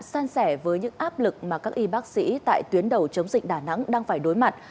san sẻ với những áp lực mà các y bác sĩ tại tuyến đầu chống dịch đà nẵng đang phải đối mặt